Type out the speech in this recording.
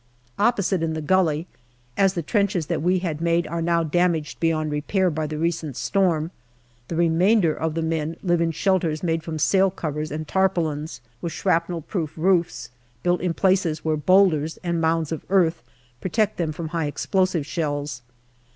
Opposite, in the gully, as the trenches that we had made are now damaged beyond repair by the recent storm, the remainder of the men live in shelters made from sailcovers and tarpaulins, with shrapnel proof roofs, built in places where boulders and mounds of earth protect them from high explosive shells.